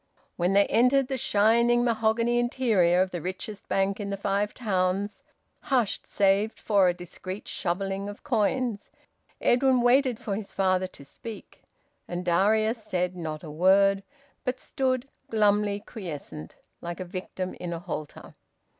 When they entered the shining mahogany interior of the richest Bank in the Five Towns, hushed save for a discreet shovelling of coins, Edwin waited for his father to speak, and Darius said not a word, but stood glumly quiescent, like a victim in a halter.